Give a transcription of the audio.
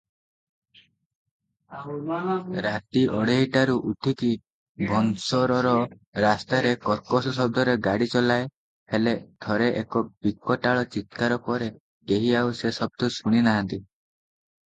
ରାତି ଅଢ଼େଇଟାରୁ ଉଠିକି ଭୋନ୍ସରର ରାସ୍ତାରେ କର୍କଶ ଶବ୍ଦରେ ଗାଡ଼ି ଚଲାଏ, ହେଲେ ଥରେ ଏକ ବିକଟାଳ ଚିତ୍କାର ପରେ କେହି ଆଉ ସେ ଶବ୍ଦ ଶୁଣିନାହାଁନ୍ତି